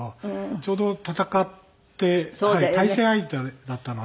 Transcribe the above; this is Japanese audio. ちょうど戦って対戦相手だったので。